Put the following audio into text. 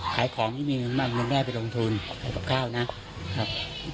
ขายของไม่มีเงินมากเงินแม่ไปลงทุนใส่กับข้าวนะครับ